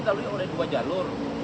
dilalui oleh dua jalur